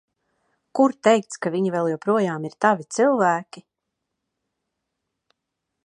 Kur teikts, ka viņi vēl joprojām ir tavi cilvēki?